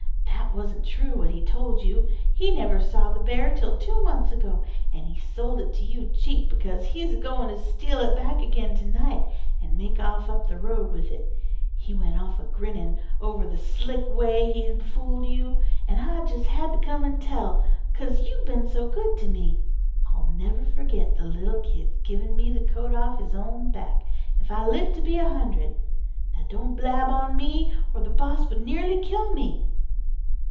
_ That wasn't true what he told you. He never saw the bear till two months ago, and he sold it to you cheap because he's a goin' to steal it back again to night, and make off up the road with it. He went off a grinnin' over the slick way he'd fooled you, and I jes' had to come and tell, 'cause you've been so good to me. I'll never forget the little kid's givin' me the coat off his own back, if I live to be a hundred. Now don't blab on me, or the boss would nearly kill me."